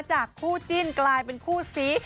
จากคู่จิ้นกลายเป็นคู่ซี